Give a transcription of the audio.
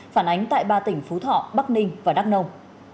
phản ánh tại ba tỉnh phú thọ bắc ninh và đắk nông